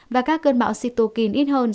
và các cơn bạo cytokine ít hơn